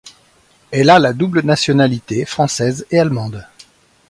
Elle a la double nationalité, française et allemande.